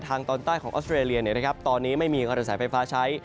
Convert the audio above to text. ทางตอนใต้ของออสเตรเลียเนี่ยครับตอนนี้ไม่มีการระแสไฟฟ้าใช้